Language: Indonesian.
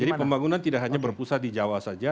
jadi pembangunan tidak hanya berpusat di jawa saja